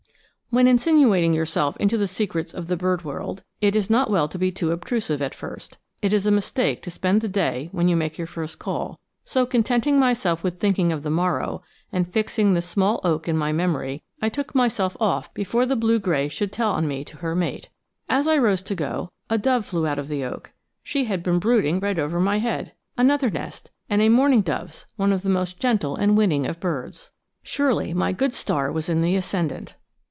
When insinuating yourself into the secrets of the bird world, it is not well to be too obtrusive at first: it is a mistake to spend the day when you make your first call; so contenting myself with thinking of the morrow, and fixing the small oak in my memory, I took myself off before the blue gray should tell on me to her mate. As I rose to go, a dove flew out of the oak she had been brooding right over my head. Another nest, and a mourning dove's, one of the most gentle and winning of birds! Surely my good star was in the ascendent!